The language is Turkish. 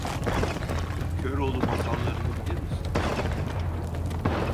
Köroğlu masallarını bilir misin?